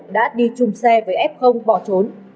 đã đi chung xe với f bỏ trốn